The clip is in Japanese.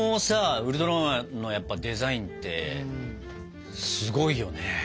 ウルトラマンのデザインってすごいよね。